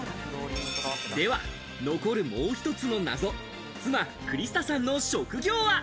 では、残るもう１つの謎、妻・クリスタさんの職業は？